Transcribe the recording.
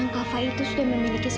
wongnya mualnya selalu diinjak injak saja